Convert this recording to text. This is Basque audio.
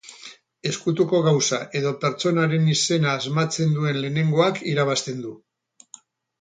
Ezkutuko gauza edo pertsonaren izena asmatzen duen lehenengoak irabazten du.